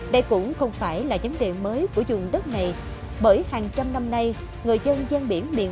đây cũng không phải là vấn đề mới của dùng đất này bởi hàng trăm năm nay người dân gian biển miền